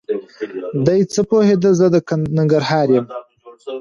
دی څه پوهېده زه د ننګرهار یم؟!